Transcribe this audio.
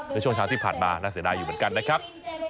ในช่วงเช้าที่ผ่านมาน่าเสียดายอยู่เหมือนกันนะครับ